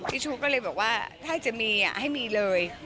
ชู้ก็เลยบอกว่าถ้าจะมีให้มีเลย